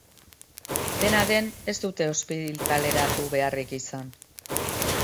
Dena den, ez dute ospitaleratu beharrik izan.